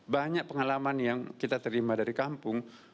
banyak pengalaman yang kita terima dari kampung